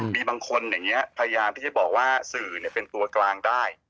มีบางคนอย่างนี้พยายามที่จะบอกว่าสื่อเป็นตัวกลางได้